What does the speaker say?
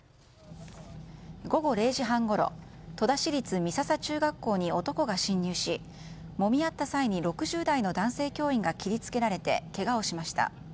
午後０時半ごろ戸田市立美笹中学校に男が侵入し、もみ合った際に６０代の男性教員が切りつけられてけがをしました。